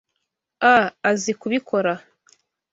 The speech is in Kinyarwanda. a azi kubikora.